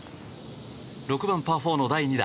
６番、パー４の第２打。